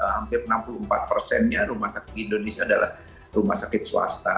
hampir enam puluh empat persennya rumah sakit indonesia adalah rumah sakit swasta